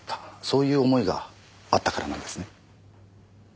そういう思いがあったからなんですね？